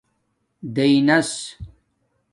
دیناس